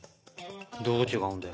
どう違うんだよ。